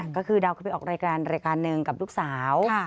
ก็คือดาวเข้าไปออกรายการหนึ่งกับลูกสาว